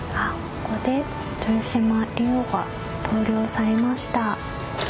ここで豊島竜王が投了されました。